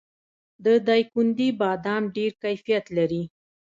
د دایکنډي بادام ډیر کیفیت لري.